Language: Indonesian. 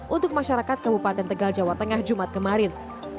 untuk masyarakat kabupaten tegal jawa tengah jumat kemarin